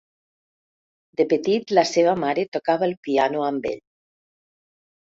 De petit la seva mare tocava el piano amb ell.